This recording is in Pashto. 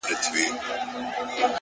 پرمختګ د آرامې سیمې پرېښودل غواړي.